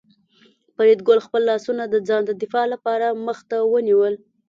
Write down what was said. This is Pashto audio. فریدګل خپل لاسونه د ځان د دفاع لپاره مخ ته ونیول